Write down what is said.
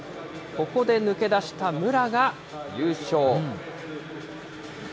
ここで抜け出した武良が優勝。